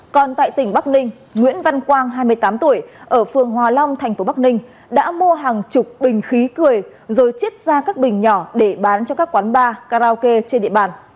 còn tại tỉnh bắc ninh nguyễn văn quang hai mươi tám tuổi ở phường hòa long thành phố bắc ninh đã mua hàng chục bình khí cười rồi chiết ra các bình nhỏ để bán cho các quán bar karaoke trên địa bàn